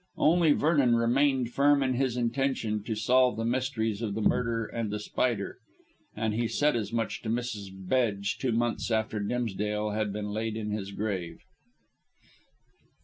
Only Vernon remained firm in his intention to solve the mysteries of the murder and The Spider, and he said as much to Mrs. Bedge two months after Dimsdale had been laid in his grave.